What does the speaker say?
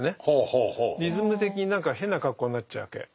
リズム的に何か変な格好になっちゃうわけ。